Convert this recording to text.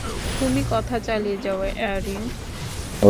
তুমি কথা চালিয়ে যাও, অ্যারিন!